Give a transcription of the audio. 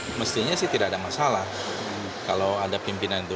sebenarnya sih tidak ada masalah kalau ada pimpinan itu